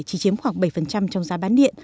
chỉ chiếm khoảng bảy trong giá bán điện